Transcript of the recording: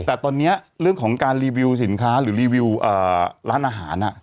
แต่ตอนนี้เรื่องของการรีวิวสินค้าหรือรีวิวร้านอาหาร